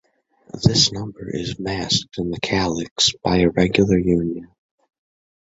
This number is masked in the calyx by irregular union.